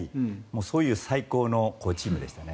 そういう最高のチームでしたね。